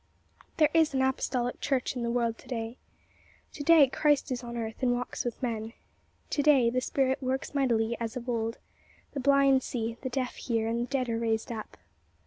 There is an Apostolic Church in the world to day. To day Christ is on earth and walks with men. To day the Spirit works mightily as of old; the blind see, the deaf hear, and the dead are raised up.